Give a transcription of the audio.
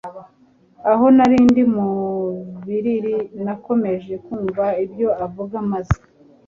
Aho narindi mu biriri nakomeje kumva ibyo avuga maze